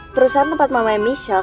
perusahaan tempat mamanya michelle